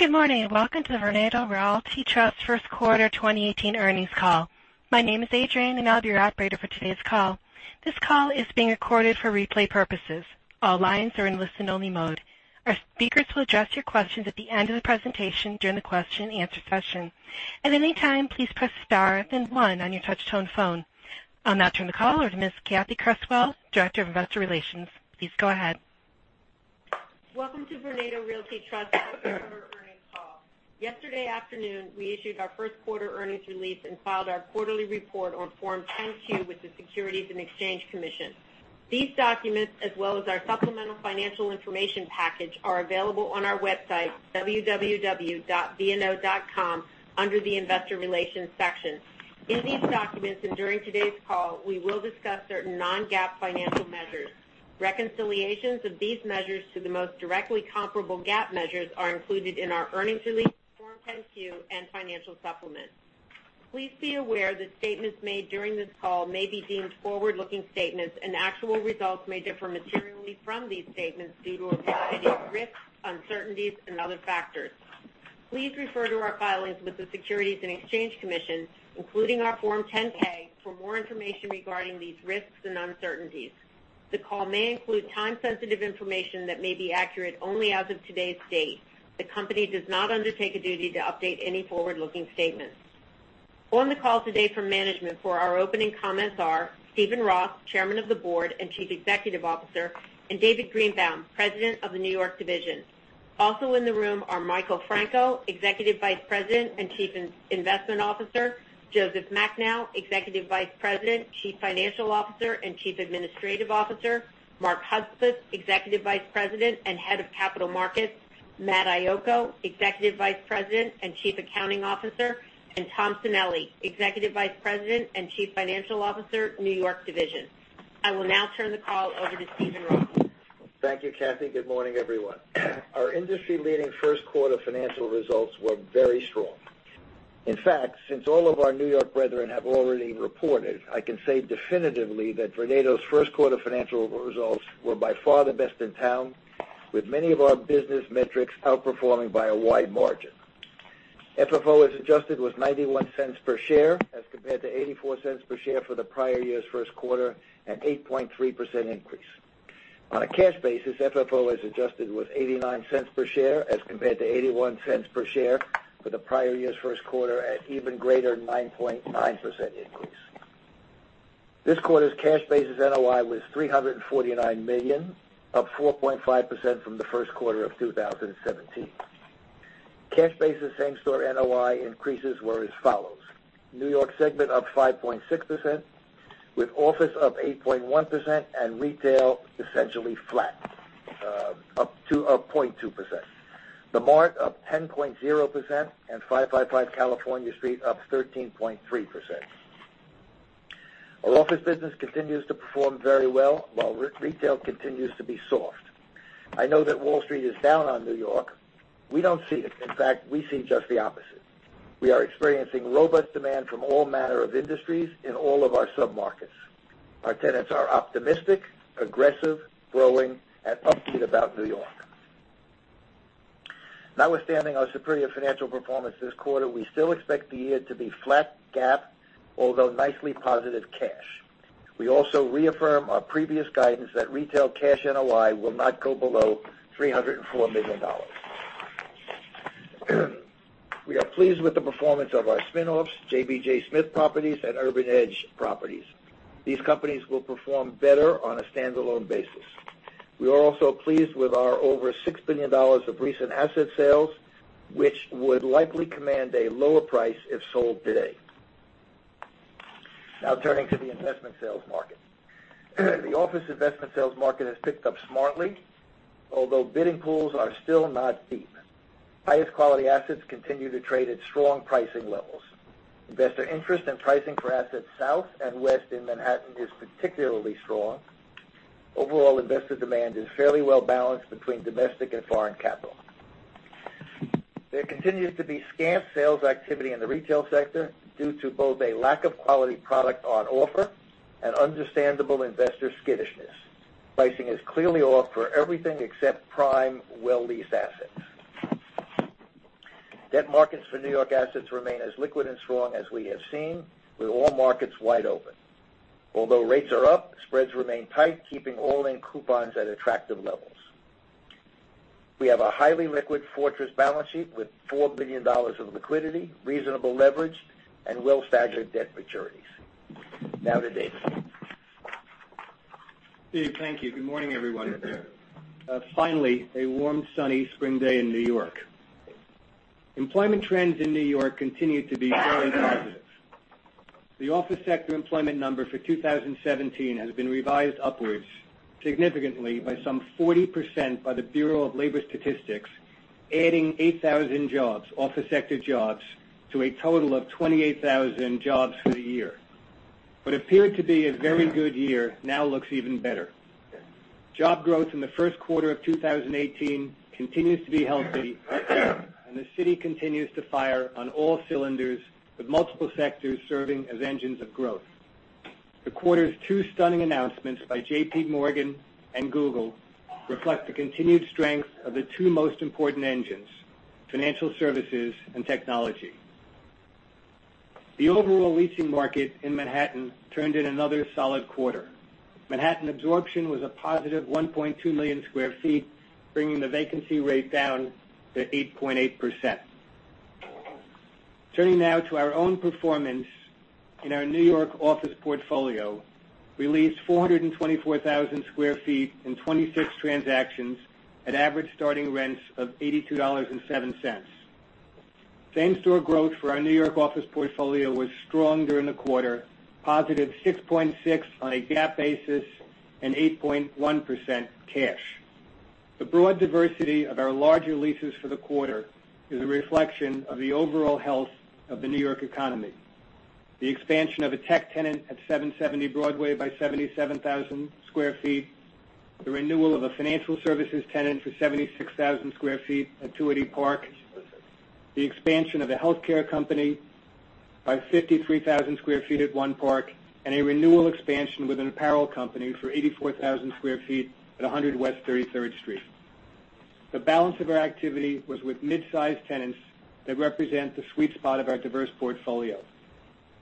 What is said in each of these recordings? Good morning. Welcome to Vornado Realty Trust first quarter 2018 earnings call. My name is Adrianne, and I'll be your operator for today's call. This call is being recorded for replay purposes. All lines are in listen-only mode. Our speakers will address your questions at the end of the presentation during the question answer session. At any time, please press star 1 on your touch-tone phone. I'll now turn the call over to Ms. Cathy Creswell, Director of Investor Relations. Please go ahead. Welcome to Vornado Realty Trust first quarter earnings call. Yesterday afternoon, we issued our first quarter earnings release and filed our quarterly report on Form 10-Q with the Securities and Exchange Commission. These documents, as well as our supplemental financial information package, are available on our website vno.com under the investor relations section. In these documents and during today's call, we will discuss certain non-GAAP financial measures. Reconciliations of these measures to the most directly comparable GAAP measures are included in our earnings release, Form 10-Q, and financial supplement. Please be aware that statements made during this call may be deemed forward-looking statements, actual results may differ materially from these statements due to existing risks, uncertainties, and other factors. Please refer to our filings with the Securities and Exchange Commission, including our Form 10-K, for more information regarding these risks and uncertainties. The call may include time-sensitive information that may be accurate only as of today's date. The company does not undertake a duty to update any forward-looking statements. On the call today from management for our opening comments are Steven Roth, Chairman of the Board and Chief Executive Officer, and David Greenbaum, President of the New York division. Also in the room are Michael Franco, Executive Vice President and Chief Investment Officer, Joseph Macnow, Executive Vice President, Chief Financial Officer, and Chief Administrative Officer, Mark Hudspeth, Executive Vice President and Head of Capital Markets, Matthew Iocco, Executive Vice President and Chief Accounting Officer, and Thomas Sanelli, Executive Vice President and Chief Financial Officer, New York division. I will now turn the call over to Steven Roth. Thank you, Cathy. Good morning, everyone. Our industry-leading first quarter financial results were very strong. In fact, since all of our New York brethren have already reported, I can say definitively that Vornado's first quarter financial results were by far the best in town, with many of our business metrics outperforming by a wide margin. FFO as adjusted was $0.91 per share as compared to $0.84 per share for the prior year's first quarter, an 8.3% increase. On a cash basis, FFO as adjusted was $0.89 per share as compared to $0.81 per share for the prior year's first quarter, an even greater 9.9% increase. This quarter's cash basis NOI was $349 million, up 4.5% from the first quarter of 2017. Cash basis same-store NOI increases were as follows: New York segment up 5.6%, with office up 8.1% and retail essentially flat, up 2.2%. theMART up 10.0%, and 555 California Street up 13.3%. Our office business continues to perform very well, while retail continues to be soft. I know that Wall Street is down on New York. We don't see it. In fact, we see just the opposite. We are experiencing robust demand from all manner of industries in all of our submarkets. Our tenants are optimistic, aggressive, growing, and upbeat about New York. Notwithstanding our superior financial performance this quarter, we still expect the year to be flat GAAP, although nicely positive cash. We also reaffirm our previous guidance that retail cash NOI will not go below $304 million. We are pleased with the performance of our spinoffs, JBG SMITH Properties and Urban Edge Properties. These companies will perform better on a standalone basis. We are also pleased with our over $6 billion of recent asset sales, which would likely command a lower price if sold today. Turning to the investment sales market. The office investment sales market has picked up smartly, although bidding pools are still not deep. Highest quality assets continue to trade at strong pricing levels. Investor interest and pricing for assets south and west in Manhattan is particularly strong. Overall, investor demand is fairly well-balanced between domestic and foreign capital. There continues to be scant sales activity in the retail sector due to both a lack of quality product on offer and understandable investor skittishness. Pricing is clearly off for everything except prime, well-leased assets. Debt markets for New York assets remain as liquid and strong as we have seen, with all markets wide open. Although rates are up, spreads remain tight, keeping all-in coupons at attractive levels. We have a highly liquid fortress balance sheet with $4 billion of liquidity, reasonable leverage, and well-staggered debt maturities. To David. Dave, thank you. Good morning, everyone. Finally, a warm, sunny spring day in New York. Employment trends in New York continue to be fairly positive. The office sector employment number for 2017 has been revised upwards significantly by some 40% by the Bureau of Labor Statistics, adding 8,000 jobs, office sector jobs, to a total of 28,000 jobs for the year. What appeared to be a very good year now looks even better. Job growth in the first quarter of 2018 continues to be healthy, and the city continues to fire on all cylinders, with multiple sectors serving as engines of growth. The quarter's two stunning announcements by J.P. Morgan and Google reflect the continued strength of the two most important engines, financial services and technology. The overall leasing market in Manhattan turned in another solid quarter. Manhattan absorption was a positive 1.2 million sq ft, bringing the vacancy rate down to 8.8%. Turning now to our own performance in our New York office portfolio, we leased 424,000 sq ft in 26 transactions at average starting rents of $82.07. Same store growth for our New York office portfolio was strong during the quarter, positive 6.6% on a GAAP basis and 8.1% cash. The broad diversity of our larger leases for the quarter is a reflection of the overall health of the New York economy. The expansion of a tech tenant at 770 Broadway by 77,000 sq ft, the renewal of a financial services tenant for 76,000 sq ft at 20 Park, the expansion of a healthcare company by 53,000 sq ft at One Park, a renewal expansion with an apparel company for 84,000 sq ft at 100 West 33rd Street. The balance of our activity was with mid-size tenants that represent the sweet spot of our diverse portfolio.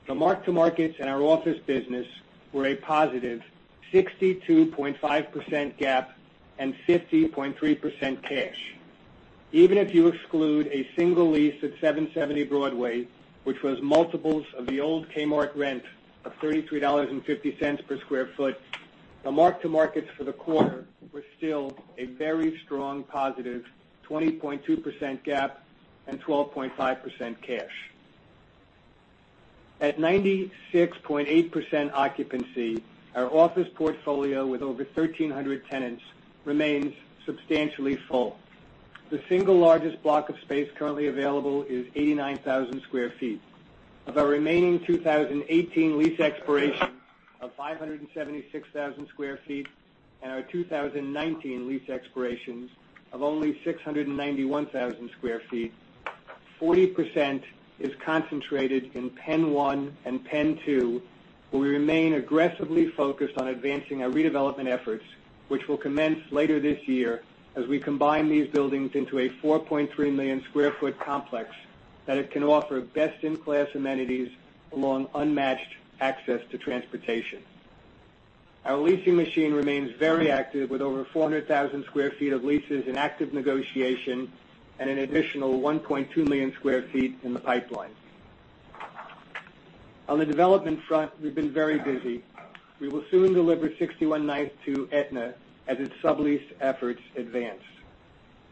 The mark-to-markets in our office business were a positive 62.5% GAAP and 50.3% cash. Even if you exclude a single lease at 770 Broadway, which was multiples of the old Kmart rent of $33.50 per sq ft, the mark-to-markets for the quarter were still a very strong positive 20.2% GAAP and 12.5% cash. At 96.8% occupancy, our office portfolio with over 1,300 tenants remains substantially full. The single largest block of space currently available is 89,000 sq ft. Of our remaining 2018 lease expirations of 576,000 sq ft and our 2019 lease expirations of only 691,000 sq ft, 40% is concentrated in PENN1 and PENN 2 where we remain aggressively focused on advancing our redevelopment efforts, which will commence later this year as we combine these buildings into a 4.3 million sq ft complex that it can offer best-in-class amenities along unmatched access to transportation. Our leasing machine remains very active with over 400,000 sq ft of leases in active negotiation and an additional 1.2 million sq ft in the pipeline. On the development front, we've been very busy. We will soon deliver 61 Ninth to Aetna as its sublease efforts advance.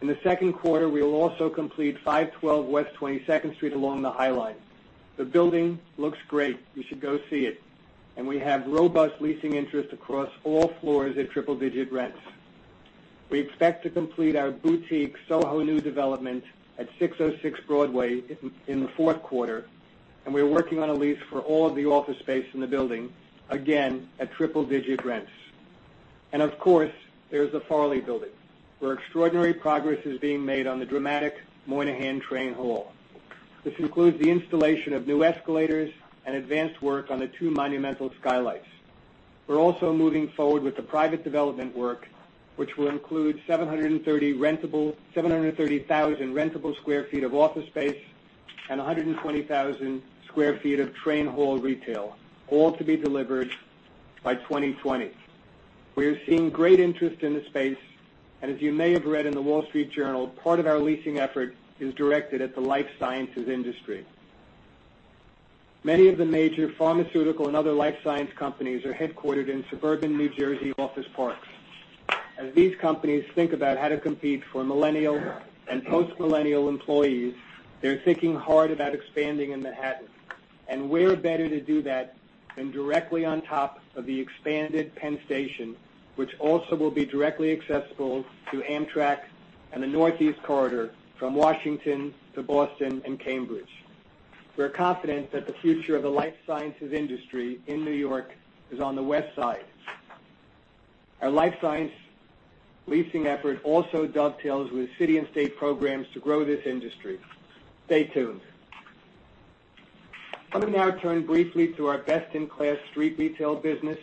In the second quarter, we will also complete 512 West 22nd Street along the High Line. The building looks great. You should go see it, we have robust leasing interest across all floors at triple digit rents. We expect to complete our boutique Soho new development at 606 Broadway in the fourth quarter, we're working on a lease for all of the office space in the building, again, at triple digit rents. Of course, there's the Farley Building, where extraordinary progress is being made on the dramatic Moynihan Train Hall. This includes the installation of new escalators and advanced work on the two monumental skylights. We're also moving forward with the private development work, which will include 730,000 rentable sq ft of office space and 120,000 sq ft of train hall retail, all to be delivered by 2020. We are seeing great interest in the space, and as you may have read in The Wall Street Journal, part of our leasing effort is directed at the life sciences industry. Many of the major pharmaceutical and other life science companies are headquartered in suburban New Jersey office parks. As these companies think about how to compete for millennial and post-millennial employees, they're thinking hard about expanding in Manhattan. Where better to do that than directly on top of the expanded Penn Station, which also will be directly accessible to Amtrak and the Northeast Corridor from Washington to Boston and Cambridge. We're confident that the future of the life sciences industry in New York is on the West Side. Our life science leasing effort also dovetails with city and state programs to grow this industry. Stay tuned. Let me now turn briefly to our best-in-class street retail business,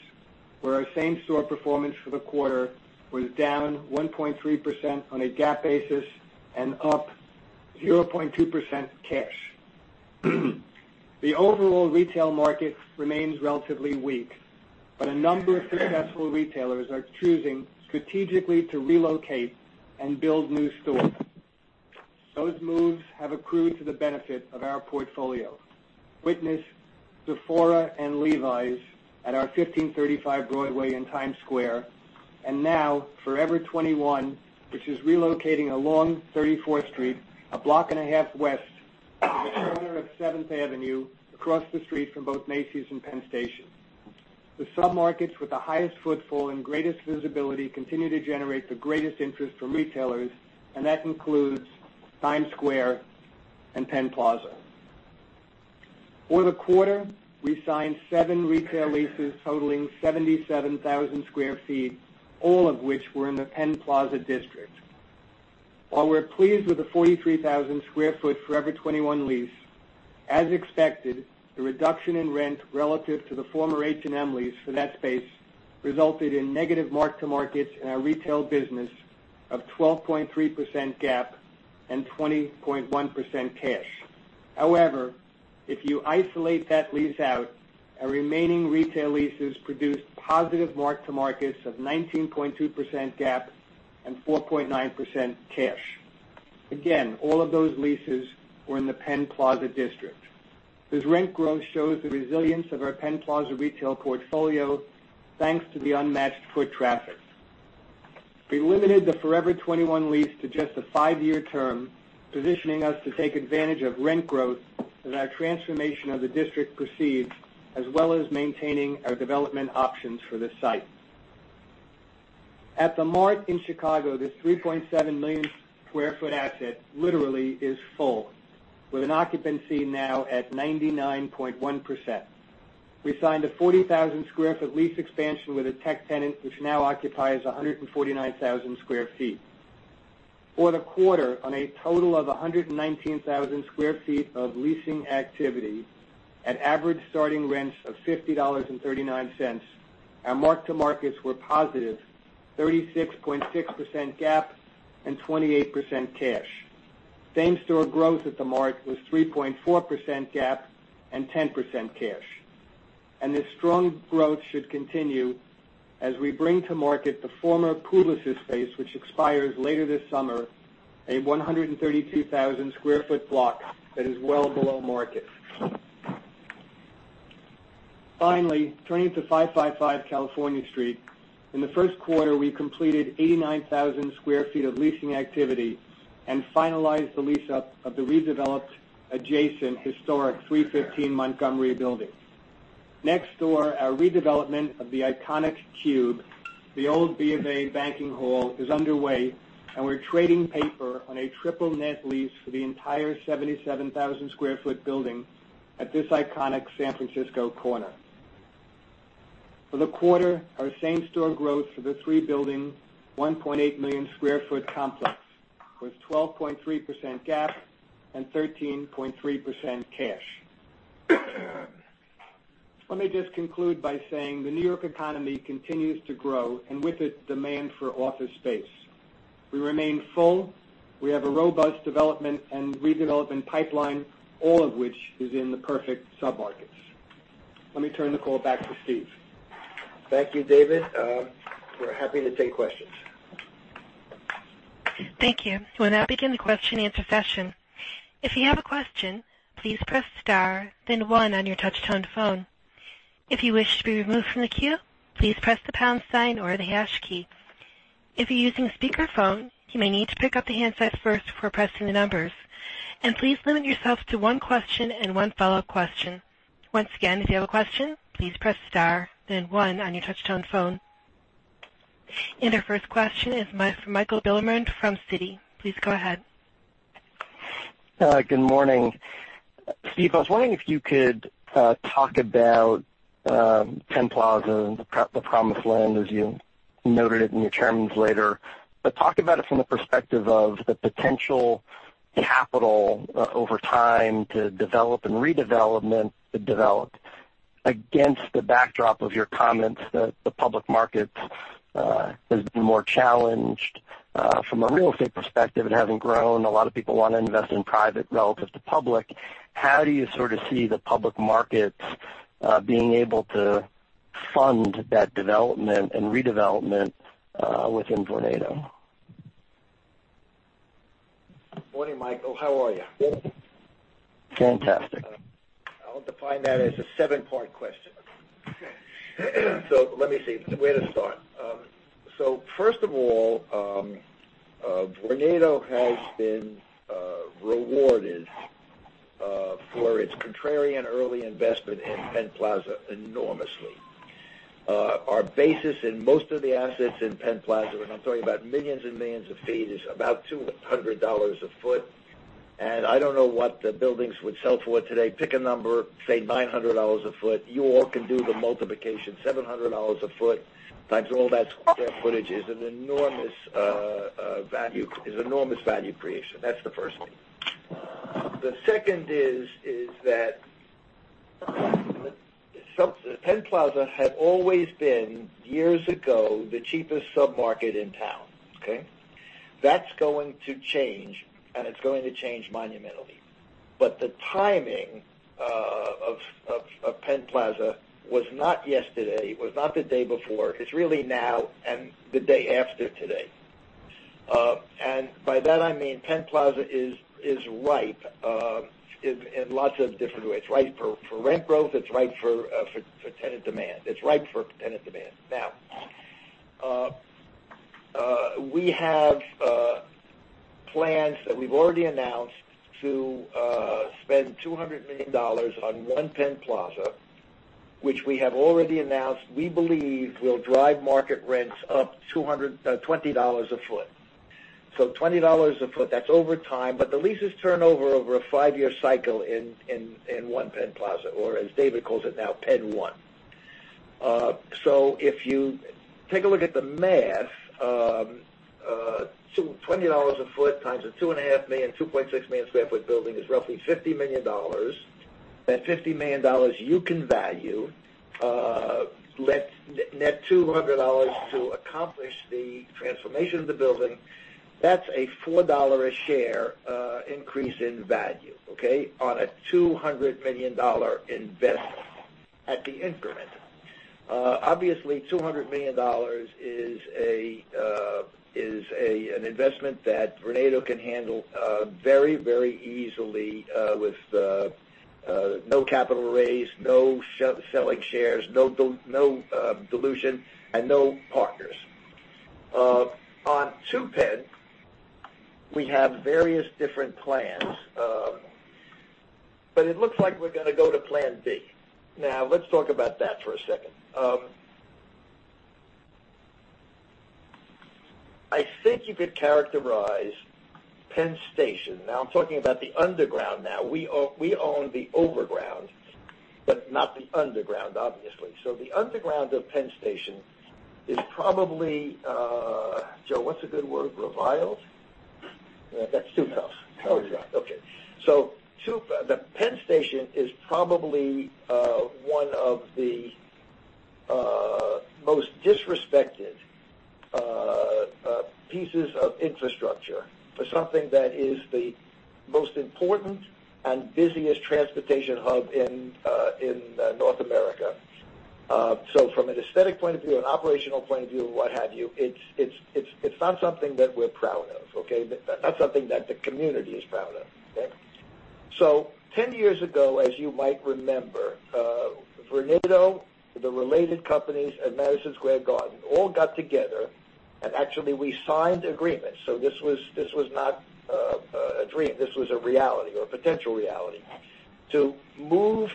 where our same store performance for the quarter was down 1.3% on a GAAP basis and up 0.2% cash. The overall retail market remains relatively weak, but a number of successful retailers are choosing strategically to relocate and build new stores. Those moves have accrued to the benefit of our portfolio. Witness Sephora and Levi's at our 1535 Broadway in Times Square, and now Forever 21, which is relocating along 34th Street, a block and a half west of the corner of 7th Avenue, across the street from both Macy's and Penn Station. The submarkets with the highest footfall and greatest visibility continue to generate the greatest interest from retailers, and that includes Times Square and Penn Plaza. For the quarter, we signed seven retail leases totaling 77,000 square feet, all of which were in the Penn Plaza district. While we're pleased with the 43,000 square foot Forever 21 lease, as expected, the reduction in rent relative to the former H&M lease for that space resulted in negative mark-to-markets in our retail business of 12.3% GAAP and 20.1% cash. However, if you isolate that lease out, our remaining retail leases produced positive mark-to-markets of 19.2% GAAP and 4.9% cash. Again, all of those leases were in the Penn Plaza district. This rent growth shows the resilience of our Penn Plaza retail portfolio, thanks to the unmatched foot traffic. We limited the Forever 21 lease to just a five-year term, positioning us to take advantage of rent growth as our transformation of the district proceeds, as well as maintaining our development options for this site. At theMART in Chicago, this 3.7 million square foot asset literally is full, with an occupancy now at 99.1%. We signed a 40,000 square foot lease expansion with a tech tenant, which now occupies 149,000 square feet. For the quarter, on a total of 119,000 square feet of leasing activity at average starting rents of $50.39, our mark-to-markets were positive 36.6% GAAP and 28% cash. Same-store growth at theMART was 3.4% GAAP and 10% cash. This strong growth should continue as we bring to market the former Publicis' space, which expires later this summer, a 132,000 square foot block that is well below market. Finally, turning to 555 California Street, in the first quarter, we completed 89,000 square feet of leasing activity and finalized the lease up of the redeveloped adjacent historic 315 Montgomery building. Next door, our redevelopment of the iconic cube, the old B of A banking hall, is underway, and we're trading paper on a triple net lease for the entire 77,000 sq ft building at this iconic San Francisco corner. For the quarter, our same-store growth for the three building, 1.8 million sq ft complex, was 12.3% GAAP and 13.3% cash. Let me just conclude by saying the New York economy continues to grow, and with it, demand for office space. We remain full. We have a robust development and redevelopment pipeline, all of which is in the perfect submarkets. Let me turn the call back to Steve. Thank you, David. We're happy to take questions. Thank you. We'll now begin the question and answer session. If you have a question, please press star then one on your touchtone phone. If you wish to be removed from the queue, please press the pound sign or the hash key. If you're using speakerphone, you may need to pick up the handset first before pressing the numbers. Please limit yourself to one question and one follow-up question. Once again, if you have a question, please press star then one on your touchtone phone. Our first question is from Michael Bilerman from Citi. Please go ahead. Good morning. Steve, I was wondering if you could talk about Penn Plaza, the promised land, as you noted it in your Chairman's letter. Talk about it from the perspective of the potential capital over time to develop and redevelop against the backdrop of your comments that the public market has been more challenged from a real estate perspective. It hasn't grown. A lot of people want to invest in private relative to public. How do you sort of see the public markets being able to fund that development and redevelopment within Vornado? Morning, Michael. How are you? Fantastic. I'll define that as a seven-part question. Let me see. Where to start? First of all, Vornado has been rewarded for its contrarian early investment in Penn Plaza enormously. Our basis in most of the assets in Penn Plaza, and I'm talking about millions and millions of feet, is about $200 a foot. I don't know what the buildings would sell for today. Pick a number, say $900 a foot. You all can do the multiplication. $700 a foot times all that square footage is an enormous value creation. That's the first thing. The second is that Penn Plaza had always been, years ago, the cheapest submarket in town. Okay? That's going to change, and it's going to change monumentally. The timing of Penn Plaza was not yesterday, it was not the day before. It's really now and the day after today. By that I mean Penn Plaza is ripe in lots of different ways. It's ripe for rent growth. It's ripe for tenant demand. Now, we have plans that we've already announced to spend $200 million on One Penn Plaza, which we have already announced we believe will drive market rents up $220 a foot. $20 a foot, that's over time, but the leases turn over a five-year cycle in One Penn Plaza, or as David calls it now, Penn One. If you take a look at the math, $20 a foot times a 2.5 million, 2.6 million square foot building is roughly $50 million. That $50 million you can value, net $200 to accomplish the transformation of the building. That's a $4 a share increase in value, okay? On a $200 million investment at the increment. Obviously, $200 million is an investment that Vornado can handle very easily with no capital raise, no selling shares, no dilution, and no partners. On Two Penn, we have various different plans, but it looks like we're going to go to plan B. Let's talk about that for a second. I think you could characterize Penn Station, now I'm talking about the underground now. We own the overground, but not the underground, obviously. The underground of Penn Station is probably Joe, what's a good word, reviled? That's too tough. Hell, yeah. Okay. The Penn Station is probably one of the most disrespected pieces of infrastructure for something that is the most important and busiest transportation hub in North America. From an aesthetic point of view, an operational point of view, what have you, it's not something that we're proud of, okay? Not something that the community is proud of, okay? 10 years ago, as you might remember Vornado, the related companies at Madison Square Garden all got together, and actually we signed agreements. This was not a dream, this was a reality or potential reality. To move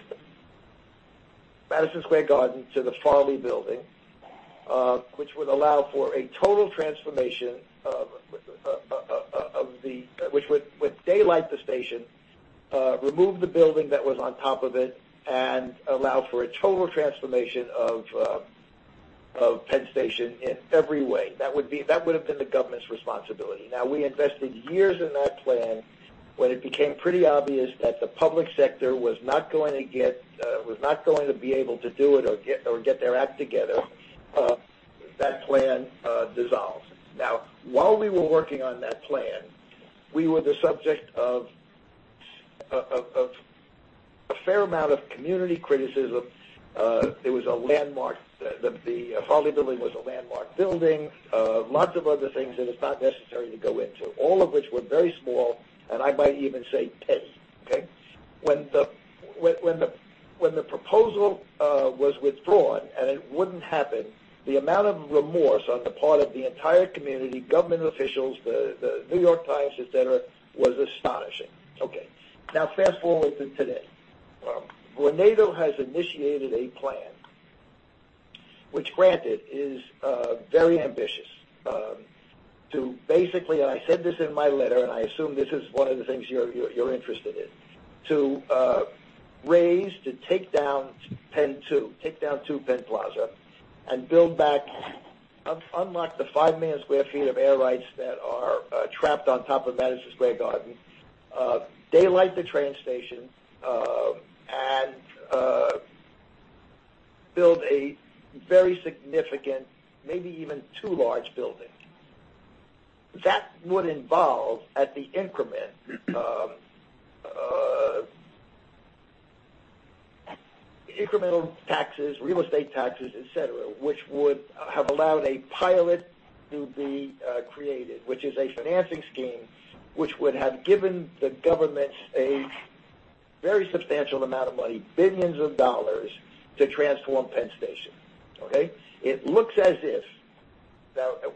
Madison Square Garden to the Farley Building, which would allow for a total transformation, which would daylight the station, remove the building that was on top of it, and allow for a total transformation of Penn Station in every way. That would've been the government's responsibility. We invested years in that plan when it became pretty obvious that the public sector was not going to be able to do it or get their act together, that plan dissolved. While we were working on that plan, we were the subject of a fair amount of community criticism. The Farley Building was a landmark building, lots of other things that it's not necessary to go into. All of which were very small, and I might even say petty, okay? When the proposal was withdrawn and it wouldn't happen, the amount of remorse on the part of the entire community, government officials, The New York Times, et cetera, was astonishing. Okay. Fast-forward to today. Vornado has initiated a plan, which granted is very ambitious. To basically, and I said this in my letter, and I assume this is one of the things you're interested in. To take down PENN 2, take down Two Penn Plaza, and build back, unlock the 5 million sq ft of air rights that are trapped on top of Madison Square Garden, daylight the train station, and build a very significant, maybe even two large buildings. That would involve at the increment, incremental taxes, real estate taxes, et cetera, which would have allowed a pilot to be created, which is a financing scheme which would have given the government a very substantial amount of money, $ billions, to transform Penn Station. Okay? It looks as if.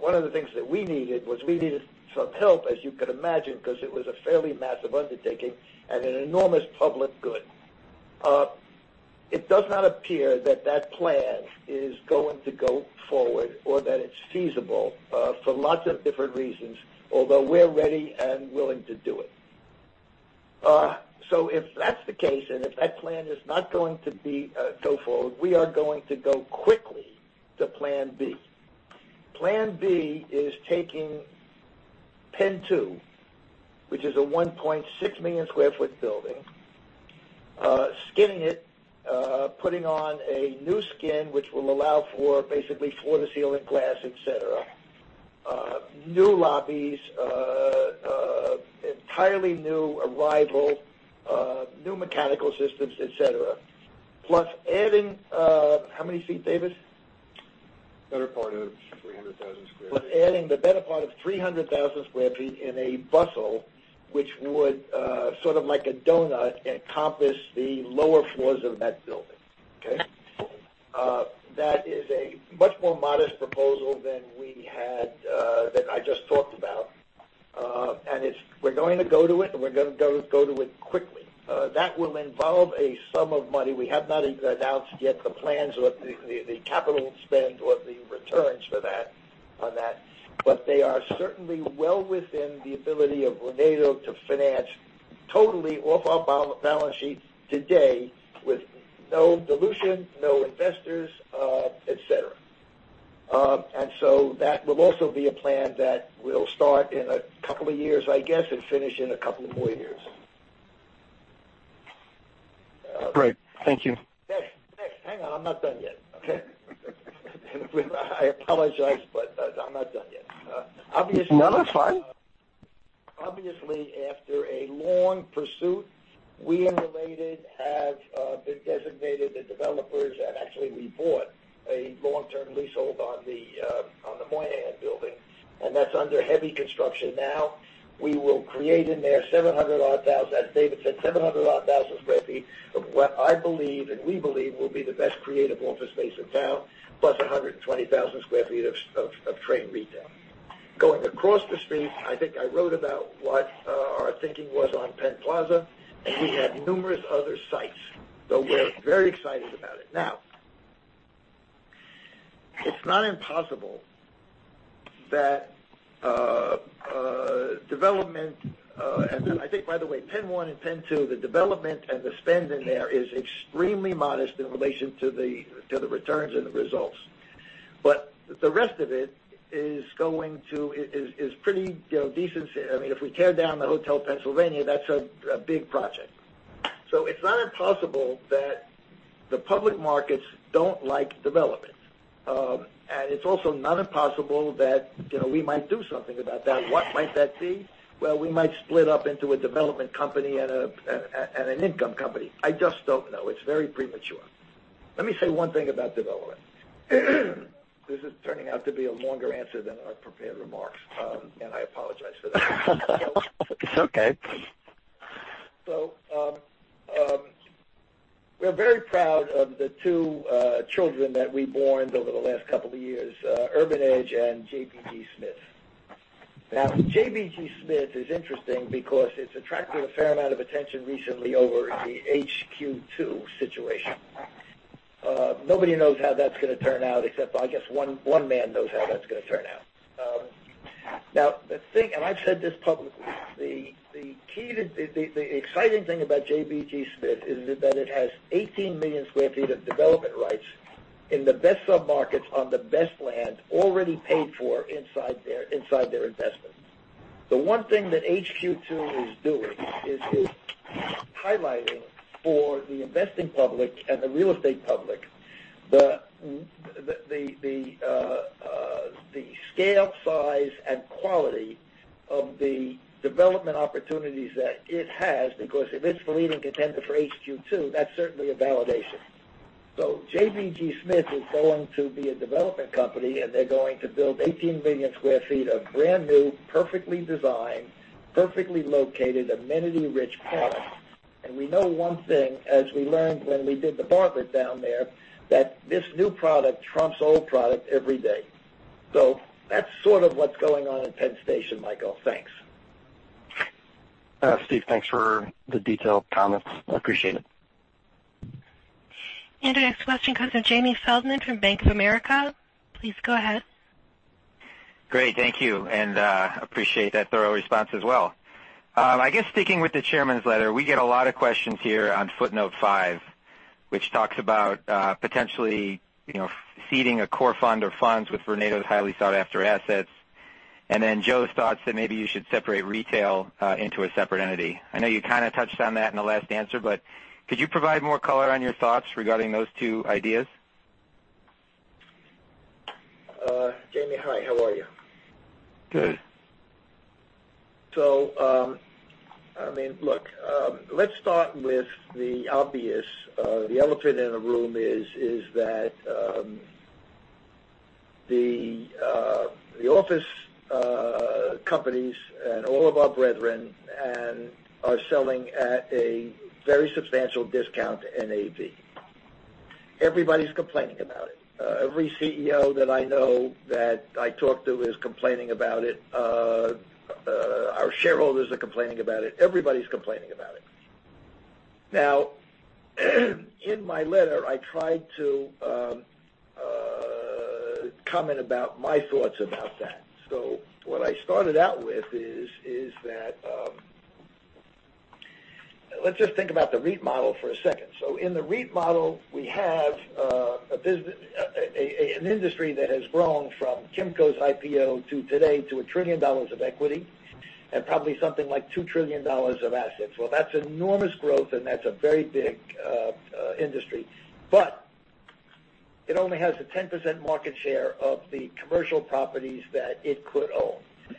One of the things that we needed was we needed some help, as you could imagine, because it was a fairly massive undertaking and an enormous public good. It does not appear that that plan is going to go forward or that it's feasible, for lots of different reasons, although we're ready and willing to do it. If that's the case, and if that plan is not going to go forward, we are going to go quickly to plan B. Plan B is taking PENN 2, which is a 1.6 million sq ft building, skinning it, putting on a new skin, which will allow for basically floor to ceiling glass, et cetera. New lobbies, entirely new arrival, new mechanical systems, et cetera. Plus adding, how many feet, David? Better part of 300,000 sq ft. Plus adding the better part of 300,000 sq ft in a bustle, which would sort of like a donut, encompass the lower floors of that building, okay? That is a much more modest proposal than I just talked about. We're going to go to it, and we're going to go to it quickly. That will involve a sum of money. We have not announced yet the plans or the capital spend or the returns for that. on that, but they are certainly well within the ability of Vornado to finance totally off our balance sheet today with no dilution, no investors, et cetera. That will also be a plan that will start in a couple of years, I guess, and finish in a couple more years. Great. Thank you. Hang on, I'm not done yet, okay? I apologize, I'm not done yet. That's fine. Obviously, after a long pursuit, we and Vornado have been designated the developers, we bought a long-term leasehold on the Moynihan Building, that's under heavy construction now. We will create in there, as David said, 700,000 square feet of what I believe, and we believe, will be the best creative office space in town, plus 120,000 square feet of trade retail. Going across the street, I think I wrote about what our thinking was on PENN Plaza, we have numerous other sites, we're very excited about it. It's not impossible that development I think, by the way, PENN 1 and PENN 2, the development and the spend in there is extremely modest in relation to the returns and the results. The rest of it is pretty decent-sized. If we tear down the Hotel Pennsylvania, that's a big project. It's not impossible that the public markets don't like development. It's also not impossible that we might do something about that. What might that be? Well, we might split up into a development company and an income company. I just don't know. It's very premature. Let me say one thing about development. This is turning out to be a longer answer than our prepared remarks, I apologize for that. It's okay. We're very proud of the two children that we've born over the last couple of years, Urban Edge and JBG SMITH. JBG SMITH is interesting because it's attracted a fair amount of attention recently over the HQ2 situation. Nobody knows how that's going to turn out, except I guess one man knows how that's going to turn out. The thing, and I've said this publicly, the exciting thing about JBG SMITH is that it has 18 million sq ft of development rights in the best sub-markets on the best land already paid for inside their investment. The one thing that HQ2 is doing is highlighting for the investing public and the real estate public, the scale, size, and quality of the development opportunities that it has, because if it's the leading contender for HQ2, that's certainly a validation. JBG SMITH is going to be a development company, and they're going to build 18 million sq ft of brand-new, perfectly designed, perfectly located, amenity-rich product. We know one thing, as we learned when we did the Bartlett down there, that this new product trumps old product every day. That's sort of what's going on in Penn Station, Michael. Thanks. Steve, thanks for the detailed comments. Appreciate it. Our next question comes from Jamie Feldman from Bank of America. Please go ahead. Great. Thank you, and appreciate that thorough response as well. I guess sticking with the chairman's letter, we get a lot of questions here on footnote five, which talks about potentially seeding a core fund or funds with Vornado's highly sought-after assets. Then Joe's thoughts that maybe you should separate retail into a separate entity. I know you kind of touched on that in the last answer, but could you provide more color on your thoughts regarding those two ideas? Jamie, hi. How are you? Good. Let's start with the obvious. The elephant in the room is that the office companies and all of our brethren are selling at a very substantial discount to NAV. Everybody's complaining about it. Every CEO that I know that I talk to is complaining about it. Our shareholders are complaining about it. Everybody's complaining about it. Now, in my letter, I tried to comment about my thoughts about that. What I started out with is that, let's just think about the REIT model for a second. In the REIT model, we have an industry that has grown from Kimco's IPO to today to $1 trillion of equity and probably something like $2 trillion of assets. Well, that's enormous growth, and that's a very big industry. It only has a 10% market share of the commercial properties that it could own.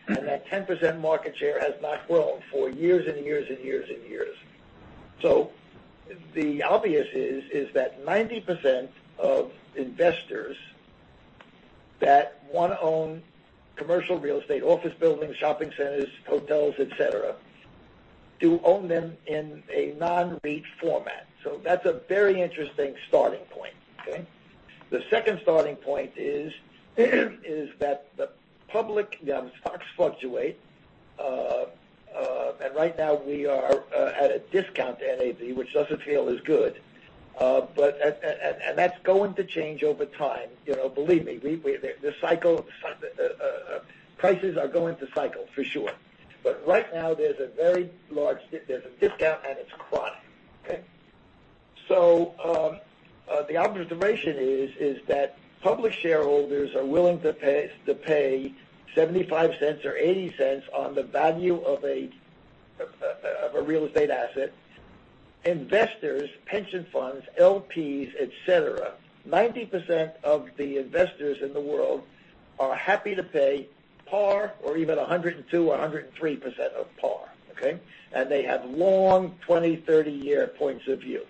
That 10% market share has not grown for years and years and years and years. The obvious is that 90% of investors that want to own commercial real estate, office buildings, shopping centers, hotels, et cetera, do own them in a non-REIT format. That's a very interesting starting point, okay? The second starting point is that the public, the stocks fluctuate. Right now we are at a discount to NAV, which doesn't feel as good. That's going to change over time. Believe me, prices are going to cycle for sure. Right now, there's a very large discount, and it's chronic. Okay? The observation is that public shareholders are willing to pay $0.75 or $0.85 on the value of a real estate asset. Investors, pension funds, LPs, et cetera, 90% of the investors in the world are happy to pay par or even 102% or 103% of par. Okay? They have long 20, 30-year points of view.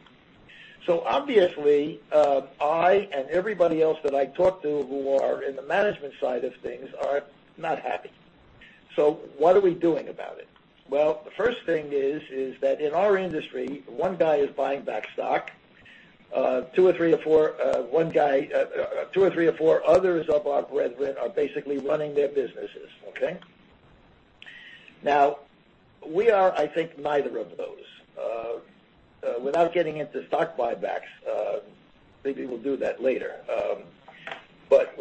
Obviously, I and everybody else that I talk to who are in the management side of things are not happy. What are we doing about it? Well, the first thing is that in our industry, one guy is buying back stock, two or three or four others of our brethren are basically running their businesses. Okay? Now, we are, I think, neither of those. Without getting into stock buybacks, maybe we'll do that later, but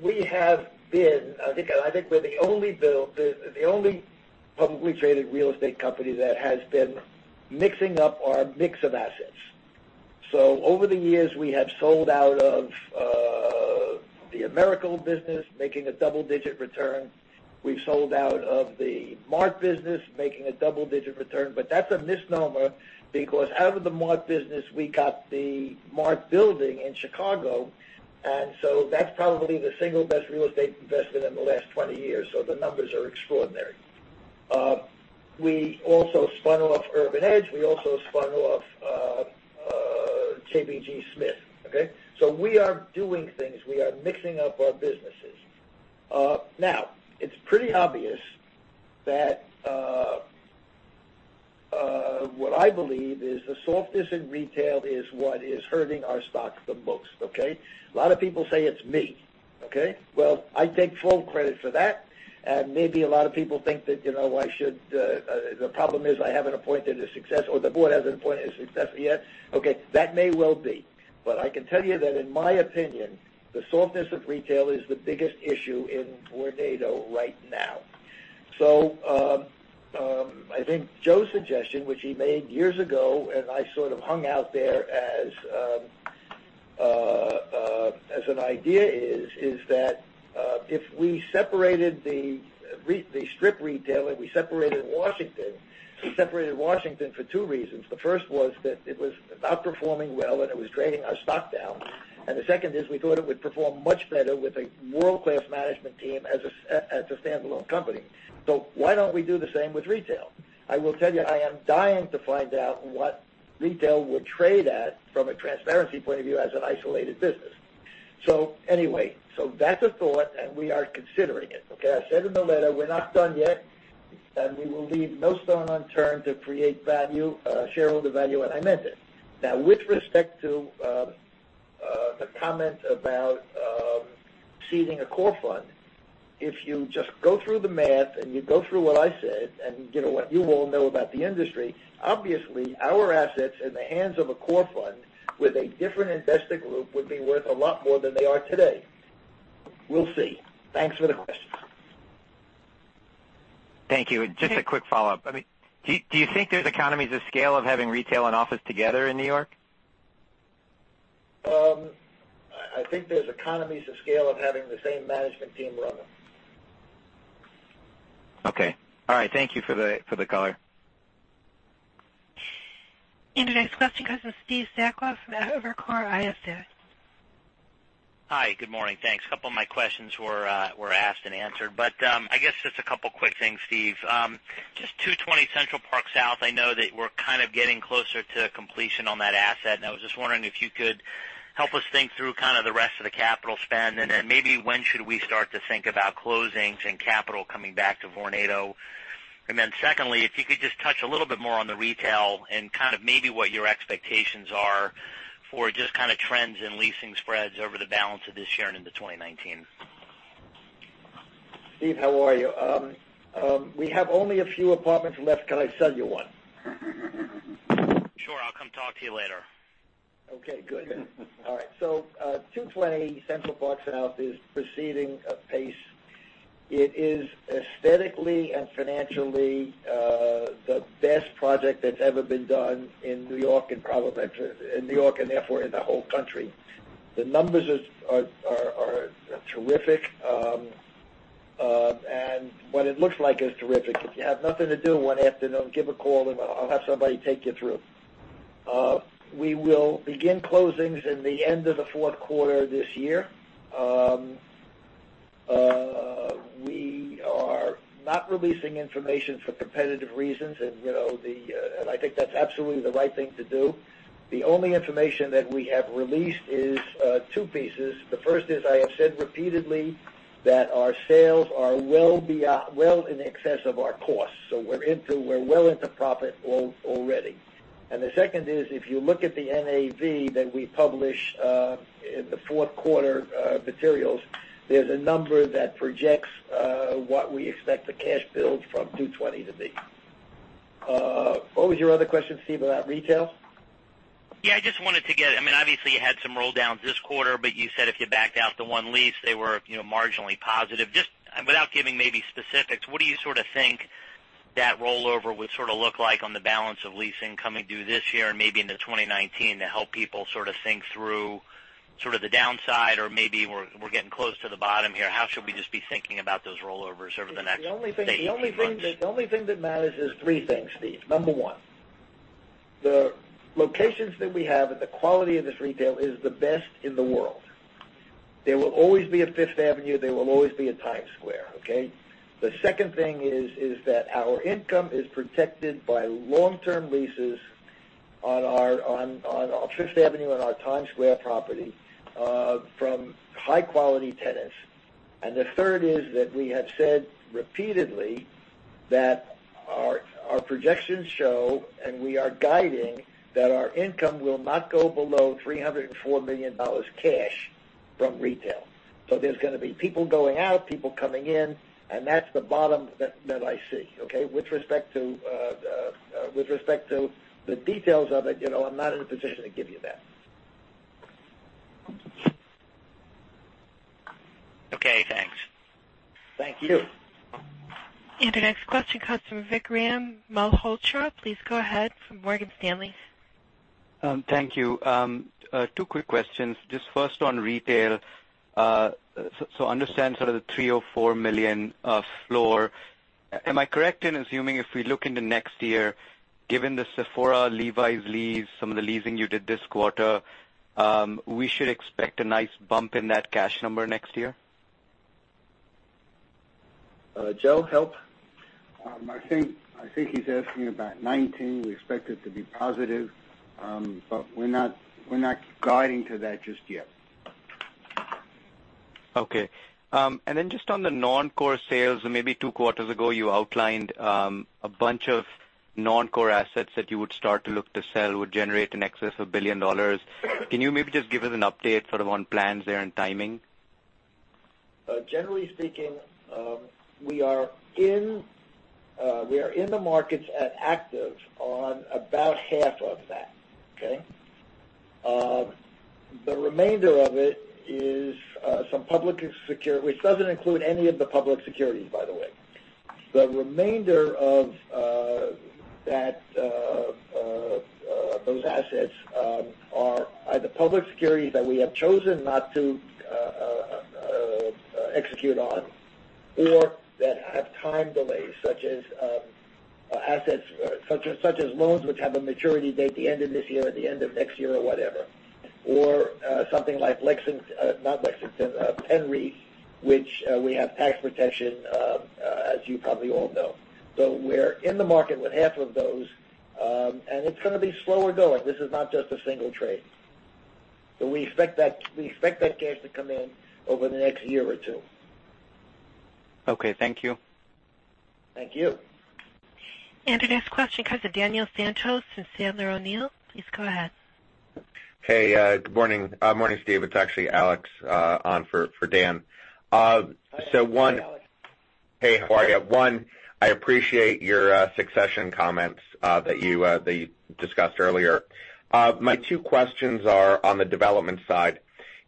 we have been, I think we're the only publicly traded real estate company that has been mixing up our mix of assets. Over the years, we have sold out of the Americold business, making a double-digit return. We've sold out of the Mart business, making a double-digit return. That's a misnomer because out of the Mart business, we got theMART building in Chicago, that's probably the single best real estate investment in the last 20 years. The numbers are extraordinary. We also spun off Urban Edge. We also spun off JBG SMITH. Okay? We are doing things. We are mixing up our businesses. Now, it's pretty obvious that what I believe is the softness in retail is what is hurting our stock the most. Okay? A lot of people say it's me. Okay? Well, I take full credit for that, and maybe a lot of people think that the problem is I haven't appointed a successor, or the board hasn't appointed a successor yet. Okay, that may well be. I can tell you that in my opinion, the softness of retail is the biggest issue in Vornado right now. I think Joe's suggestion, which he made years ago, and I sort of hung out there as an idea, is that if we separated the strip retail and we separated Washington. We separated Washington for two reasons. The first was that it was not performing well, and it was dragging our stock down. The second is we thought it would perform much better with a world-class management team as a standalone company. Why don't we do the same with retail? I will tell you, I am dying to find out what retail would trade at from a transparency point of view as an isolated business. That's a thought, and we are considering it. Okay? I said in the letter, we're not done yet. We will leave no stone unturned to create shareholder value. I meant it. With respect to the comment about seeding a core fund, if you just go through the math and you go through what I said and what you all know about the industry, obviously our assets in the hands of a core fund with a different investor group would be worth a lot more than they are today. We'll see. Thanks for the question. Thank you. Just a quick follow-up. Do you think there's economies of scale of having retail and office together in New York? I think there's economies of scale of having the same management team run them. Okay. All right. Thank you for the color. The next question comes from Steve Sakwa from Evercore ISI. Hi, good morning. Thanks. A couple of my questions were asked and answered. I guess just a couple of quick things, Steve. Just 220 Central Park South, I know that we're kind of getting closer to completion on that asset, and I was just wondering if you could help us think through kind of the rest of the capital spend, then maybe when should we start to think about closings and capital coming back to Vornado. Then secondly, if you could just touch a little bit more on the retail and kind of maybe what your expectations are for just kind of trends in leasing spreads over the balance of this year and into 2019. Steve, how are you? We have only a few apartments left. Can I sell you one? Sure. I'll come talk to you later. Okay, good. All right. 220 Central Park South is proceeding at pace. It is aesthetically and financially the best project that's ever been done in New York, and therefore in the whole country. The numbers are terrific, and what it looks like is terrific. If you have nothing to do one afternoon, give a call, and I'll have somebody take you through. We will begin closings in the end of the fourth quarter this year. We are not releasing information for competitive reasons, and I think that's absolutely the right thing to do. The only information that we have released is two pieces. The first is, I have said repeatedly that our sales are well in excess of our costs. We're well into profit already. The second is, if you look at the NAV that we publish in the fourth quarter materials, there's a number that projects what we expect the cash build from 220 to be. What was your other question, Steve, about retail? Yeah, I just wanted to get Obviously, you had some rolldowns this quarter, but you said if you backed out the one lease, they were marginally positive. Just without giving maybe specifics, what do you think that rollover would look like on the balance of leasing coming due this year and maybe into 2019 to help people think through the downside, or maybe we're getting close to the bottom here. How should we just be thinking about those rollovers over the next 30, 60 months? The only thing that matters is three things, Steve. Number one, the locations that we have and the quality of this retail is the best in the world. There will always be a Fifth Avenue. There will always be a Times Square. Okay. The second thing is that our income is protected by long-term leases on our Fifth Avenue and our Times Square property from high-quality tenants. The third is that we have said repeatedly that our projections show, and we are guiding, that our income will not go below $304 million cash from retail. There's going to be people going out, people coming in, and that's the bottom that I see. Okay. With respect to the details of it, I'm not in a position to give you that. Okay, thanks. Thank you. Our next question comes from Vikram Malhotra. Please go ahead from Morgan Stanley. Thank you. Two quick questions. Just first on retail. Understand sort of the $304 million floor. Am I correct in assuming if we look into next year, given the Sephora, Levi's lease, some of the leasing you did this quarter, we should expect a nice bump in that cash number next year? Joe, help. I think he's asking about 2019. We expect it to be positive, we're not guiding to that just yet. Okay. Just on the non-core sales, maybe two quarters ago, you outlined a bunch of non-core assets that you would start to look to sell, would generate in excess of $1 billion. Can you maybe just give us an update on plans there and timing? Generally speaking, we are in the markets at active on about half of that. Okay? The remainder of it is some public security, which doesn't include any of the public securities, by the way. The remainder of those assets are either public securities that we have chosen not to execute on, or that have time delays, such as loans which have a maturity date at the end of this year or the end of next year or whatever. Or something like PENN 2, which we have tax protection, as you probably all know. We're in the market with half of those, and it's going to be slower going. This is not just a single trade. We expect that cash to come in over the next year or two. Okay, thank you. Thank you. The next question comes from Daniel Santos in Sandler O'Neill. Please go ahead. Hey, good morning. Morning, Steve. It's actually Alex on for Dan. Hi, Alex. Hey, how are you? One, I appreciate your succession comments that you discussed earlier. My two questions are on the development side.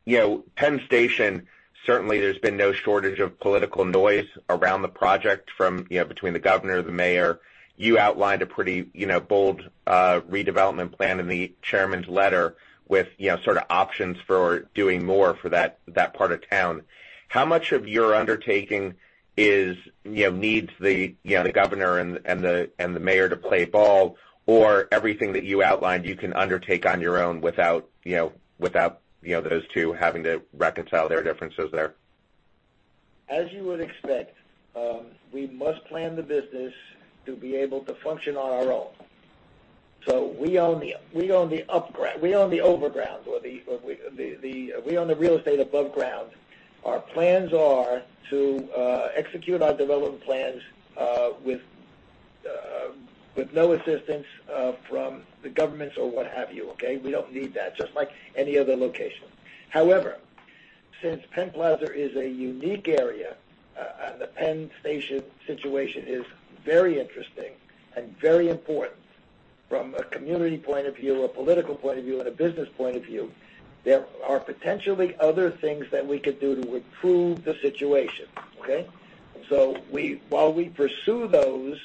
Penn Station, certainly there has been no shortage of political noise around the project between the governor, the mayor. You outlined a pretty bold redevelopment plan in the chairman's letter with options for doing more for that part of town. How much of your undertaking needs the governor and the mayor to play ball, or everything that you outlined you can undertake on your own without those two having to reconcile their differences there? As you would expect, we must plan the business to be able to function on our own. We own the overground, or we own the real estate above ground. Our plans are to execute our development plans with no assistance from the governments or what have you. Okay? We don't need that, just like any other location. However, since Penn Plaza is a unique area, and the Penn Station situation is very interesting and very important from a community point of view, a political point of view, and a business point of view, there are potentially other things that we could do to improve the situation. Okay? While we pursue those,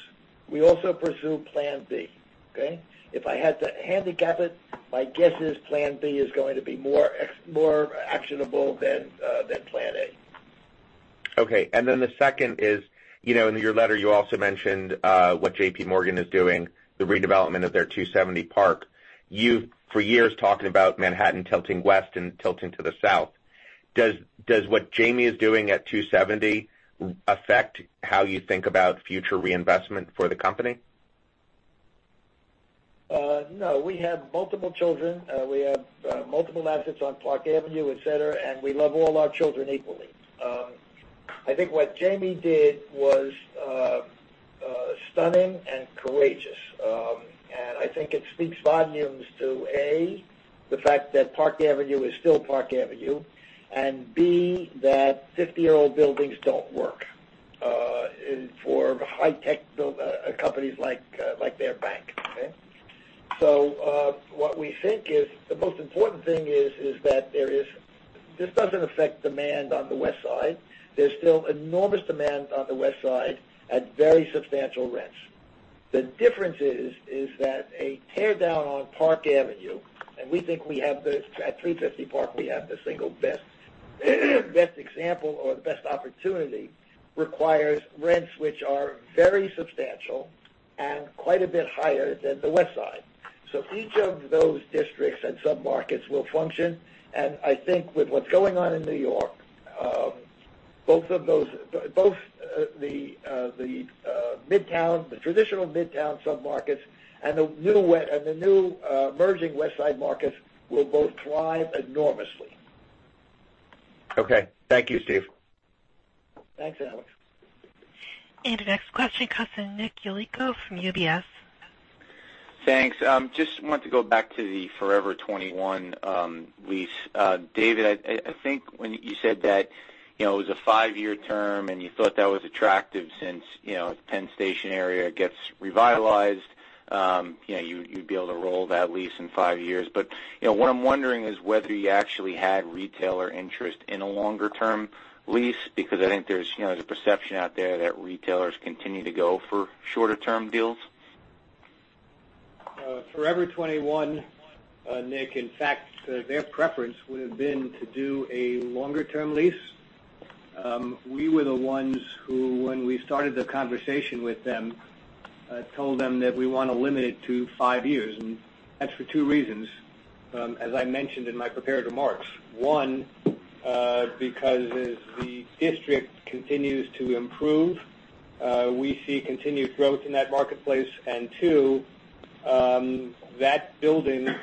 we also pursue plan B. Okay? If I had to handicap it, my guess is plan B is going to be more actionable than plan A. Okay. The second is, in your letter, you also mentioned what J.P. Morgan is doing, the redevelopment of their 270 Park. You've for years talked about Manhattan tilting west and tilting to the south. Does what Jamie is doing at 270 affect how you think about future reinvestment for the company? No. We have multiple children. We have multiple assets on Park Avenue, et cetera, and we love all our children equally. I think what Jamie did was stunning and courageous. I think it speaks volumes to, A, the fact that Park Avenue is still Park Avenue, and B, that 50-year-old buildings don't work for high-tech companies like their bank. What we think is the most important thing is that this doesn't affect demand on the West Side. There's still enormous demand on the West Side at very substantial rents. The difference is that a teardown on Park Avenue, and we think at 350 Park, we have the single best example or the best opportunity, requires rents which are very substantial and quite a bit higher than the West Side. Each of those districts and submarkets will function, and I think with what's going on in New York, both the traditional Midtown submarkets and the new emerging West Side markets will both thrive enormously. Okay. Thank you, Steve. Thanks, Alex. The next question comes from Nick Yulico from UBS. Thanks. Just wanted to go back to the Forever 21 lease. David, I think when you said that it was a five-year term and you thought that was attractive since the Penn Station area gets revitalized, you'd be able to roll that lease in five years. What I'm wondering is whether you actually had retailer interest in a longer-term lease, because I think there's a perception out there that retailers continue to go for shorter-term deals. Forever 21, Nick, in fact, their preference would have been to do a longer-term lease. We were the ones who, when we started the conversation with them, told them that we want to limit it to five years, and that's for two reasons. As I mentioned in my prepared remarks, one, because as the district continues to improve, we see continued growth in that marketplace, and two, that building on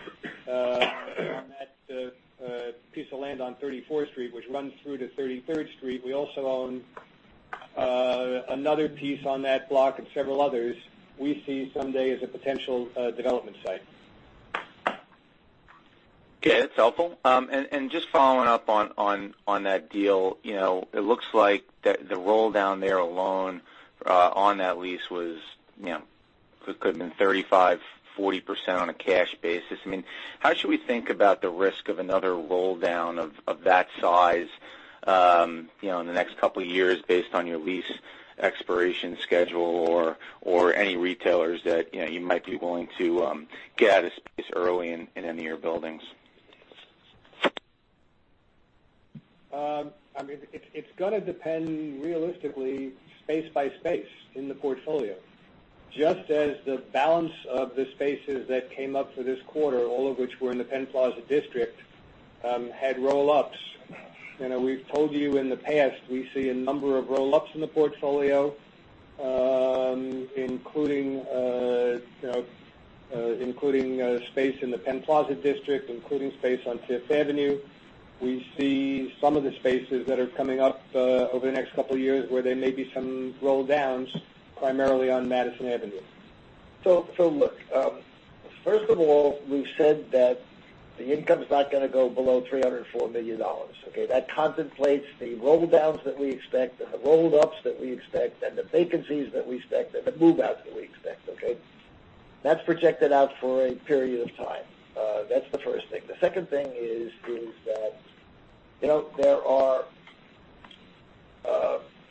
that piece of land on 34th Street, which runs through to 33rd Street, we also own another piece on that block and several others, we see someday as a potential development site. Okay, that's helpful. Just following up on that deal, it looks like the roll down there alone on that lease could've been 35%-40% on a cash basis. How should we think about the risk of another roll down of that size in the next couple of years based on your lease expiration schedule or any retailers that you might be willing to get out of space early in any of your buildings? It's going to depend realistically space by space in the portfolio. Just as the balance of the spaces that came up for this quarter, all of which were in the Penn Plaza district, had roll-ups. We've told you in the past, we see a number of roll-ups in the portfolio, including space in the Penn Plaza district, including space on Fifth Avenue. We see some of the spaces that are coming up over the next couple of years where there may be some roll downs, primarily on Madison Avenue. Look, first of all, we've said that the income's not going to go below $304 million. Okay. That contemplates the roll downs that we expect, and the roll ups that we expect, and the vacancies that we expect, and the move outs that we expect. Okay. That's projected out for a period of time. That's the first thing. The second thing is that there are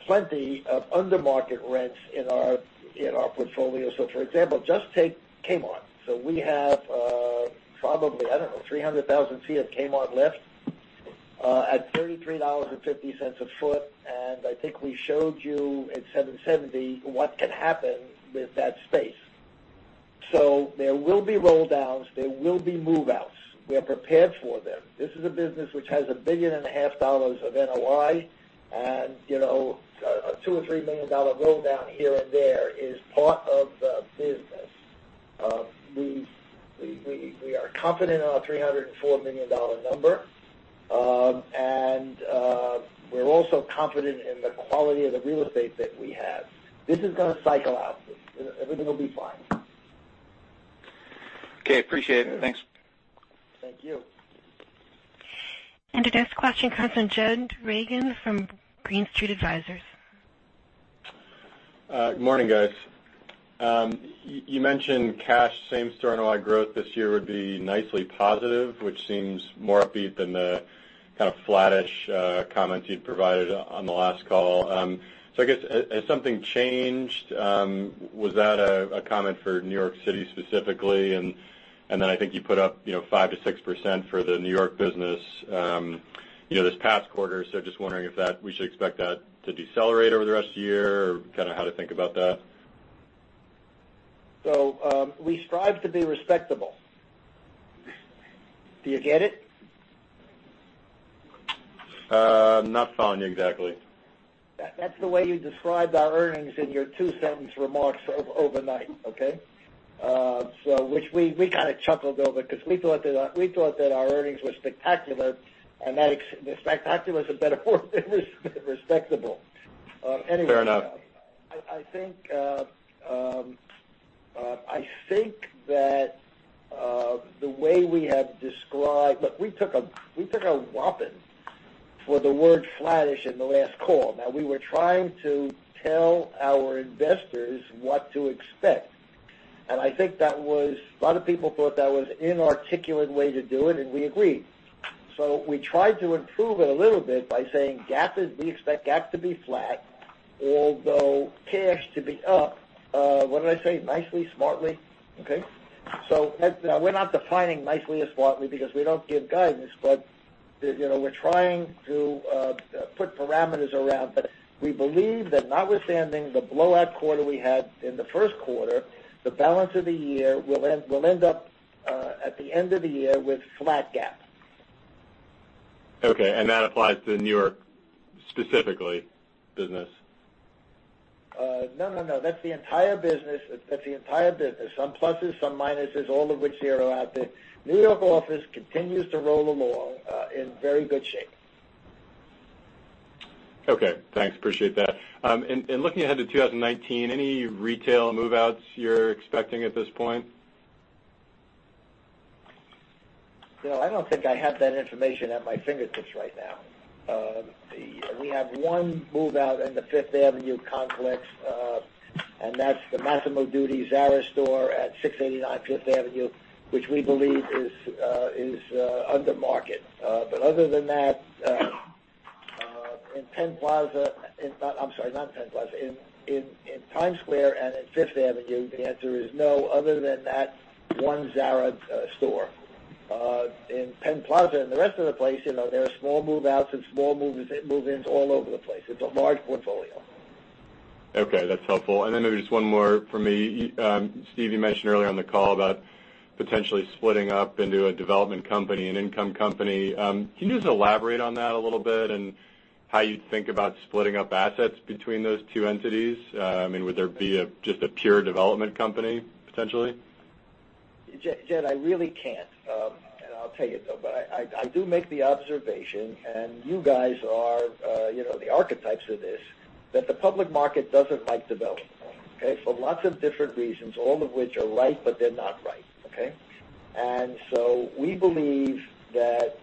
plenty of under-market rents in our portfolio. For example, just take Kmart. We have probably, I don't know, 300,000 feet of Kmart left at $33.50 a foot. I think we showed you at 770 what can happen with that space. There will be roll downs, there will be move outs. We are prepared for them. This is a business which has a $1.5 billion of NOI, a $2 million or $3 million roll down here and there is part of the business. We are confident in our $304 million number. We're also confident in the quality of the real estate that we have. This is going to cycle out. Everything will be fine. Okay, appreciate it. Thanks. Thank you. The next question comes from Jed Reagan from Green Street Advisors. Good morning, guys. You mentioned cash same store NOI growth this year would be nicely positive, which seems more upbeat than the kind of flattish comments you'd provided on the last call. I guess, has something changed? Was that a comment for New York City specifically? Then I think you put up 5%-6% for the New York business this past quarter. Just wondering if we should expect that to decelerate over the rest of the year, or kind of how to think about that? We strive to be respectable. Do you get it? Not following you exactly. That's the way you described our earnings in your two-sentence remarks overnight. Okay? Which we kind of chuckled over because we thought that our earnings were spectacular, and that spectacular is a better word than respectable. Anyway. Fair enough. I think that the way we have described Look, we took a whopping for the word flattish in the last call. We were trying to tell our investors what to expect, and I think a lot of people thought that was inarticulate way to do it, and we agreed. We tried to improve it a little bit by saying, "We expect GAAP to be flat, although cash to be up." What did I say? Nicely? Smartly? Okay. We're not defining nicely or smartly because we don't give guidance, but we're trying to put parameters around. We believe that notwithstanding the blowout quarter we had in the first quarter, the balance of the year will end up, at the end of the year, with flat GAAP. Okay, that applies to New York specifically, business. No. That's the entire business. Some pluses, some minuses, all of which zero out to New York office continues to roll along, in very good shape. Okay. Thanks, appreciate that. In looking ahead to 2019, any retail move-outs you're expecting at this point? Bill, I don't think I have that information at my fingertips right now. We have one move-out in the Fifth Avenue complex, and that's the Massimo Dutti Zara store at 689 Fifth Avenue, which we believe is under market. Other than that, in Penn Plaza I'm sorry, not in Penn Plaza. In Times Square and in Fifth Avenue, the answer is no, other than that one Zara store. In Penn Plaza and the rest of the place, there are small move-outs and small move-ins all over the place. It's a large portfolio. Okay, that's helpful. Then maybe just one more from me. Steve, you mentioned earlier on the call about potentially splitting up into a development company and income company. Can you just elaborate on that a little bit, and how you think about splitting up assets between those two entities? Would there be just a pure development company, potentially? Jed, I really can't. I'll tell you, though, I do make the observation, and you guys are the archetypes of this, that the public market doesn't like development. Okay? For lots of different reasons, all of which are right, but they're not right. Okay? We believe that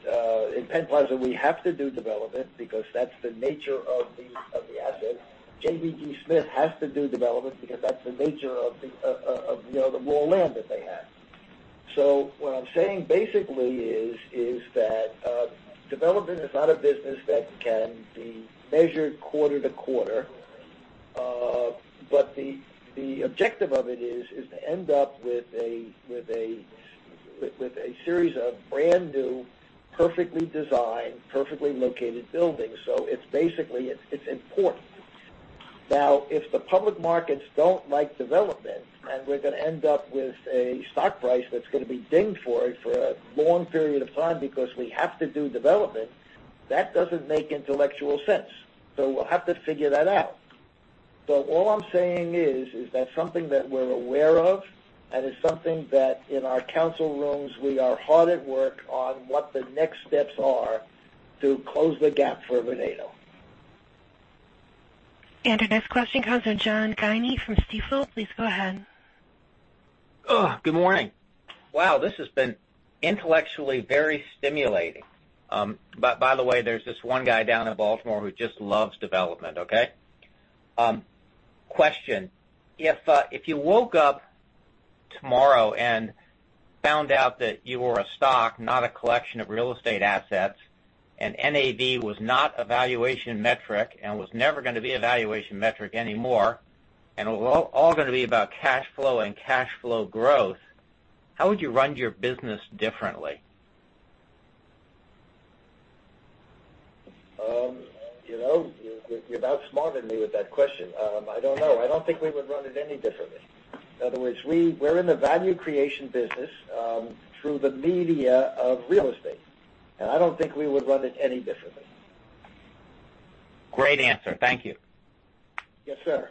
in Penn Plaza, we have to do development because that's the nature of the asset. JBG SMITH has to do development because that's the nature of the raw land that they have. What I'm saying basically is that development is not a business that can be measured quarter-to-quarter. The objective of it is to end up with a series of brand-new, perfectly designed, perfectly located buildings. It's basically important. If the public markets don't like development, and we're going to end up with a stock price that's going to be dinged for it for a long period of time because we have to do development, that doesn't make intellectual sense. We'll have to figure that out. All I'm saying is that's something that we're aware of and is something that in our council rooms, we are hard at work on what the next steps are to close the gap for Vornado. Our next question comes from John Guinee from Stifel. Please go ahead. Good morning. Wow, this has been intellectually very stimulating. By the way, there's this one guy down in Baltimore who just loves development, okay? Question. If you woke up tomorrow and found out that you were a stock, not a collection of real estate assets, and NAV was not a valuation metric and was never going to be a valuation metric anymore, and it was all going to be about cash flow and cash flow growth, how would you run your business differently? You've outsmarted me with that question. I don't know. I don't think we would run it any differently. In other words, we're in the value creation business, through the media of real estate. I don't think we would run it any differently. Great answer. Thank you. Yes, sir.